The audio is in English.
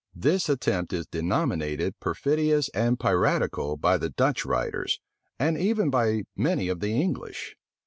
This attempt is denominated perfidious and piratical by the Dutch writers, and even by many of the English.